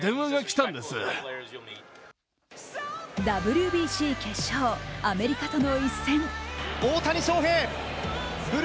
ＷＢＣ決勝、アメリカとの一戦。